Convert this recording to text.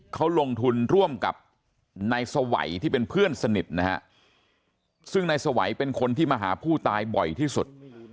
เขาลงทุนร่วมกับนายสวัยที่เป็นเพื่อนสนิทนะฮะซึ่งนายสวัยเป็นคนที่มาหาผู้ตายบ่อยที่สุด